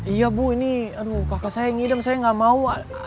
iya bu ini aduh kakak saya ngidem saya nggak mau